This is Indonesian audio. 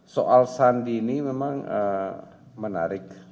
soal sandi ini memang menarik